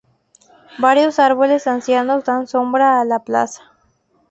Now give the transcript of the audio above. Varios árboles ancianos dan sombra a la plaza.